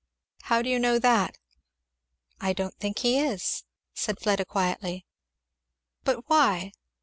"How do you know that?" "I don't think he is," said Fleda quietly. "But why.